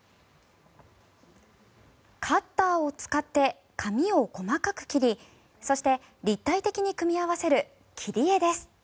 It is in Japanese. カッターを使って紙を細かく切りそして、立体的に組み合わせる切り絵です。